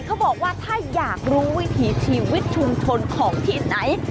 เขาบอกว่าถ้าอยากรู้วิถีชีวิตชุมชนของที่ไหน